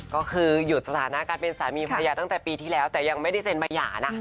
ก็คือหยุดสถานะการเป็นสามีภรรยาตั้งแต่ปีที่แล้วแต่ยังไม่ได้เซ็นมาหย่านะ